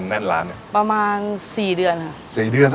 มีวันหยุดเอ่ออาทิตย์ที่สองของเดือนค่ะ